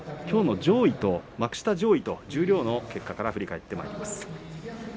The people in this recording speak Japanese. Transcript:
きょうの幕下上位と十両の結果から振り返ってまいります。